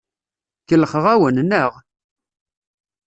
Kellxeɣ-awen, naɣ?